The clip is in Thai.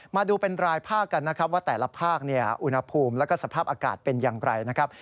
มาดูเป็นรายภาคกันนะครับว่าแต่ละภาคอุณหภูมิแล้วก็สภาพอากาศเป็นอย่างไรนะครับ